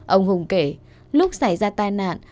ông hùng kể lúc đã xảy ra tai nạn ông cũng đứng gần hiểu chưa